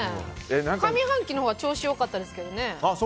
上半期のほうが調子良かったですけどね。